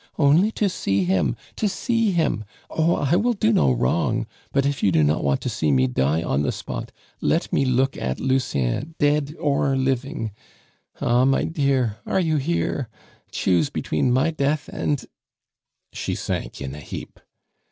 "Only to see him to see him! Oh! I will do no wrong! But if you do not want to see me die on the spot, let me look at Lucien dead or living. Ah, my dear, are you here? Choose between my death and " She sank in a heap.